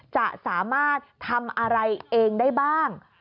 จะสามารถทำอะไรเองได้บ้าง